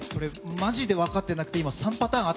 マジで分かってなくて３パターン頭